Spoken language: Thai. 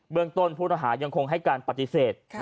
เบื้องต้นผู้ต่อหายังคงให้การปฏิเสธ